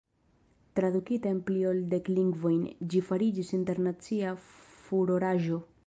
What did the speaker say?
Tradukita en pli ol dek lingvojn, ĝi fariĝis internacia furoraĵo.